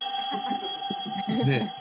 ねえ。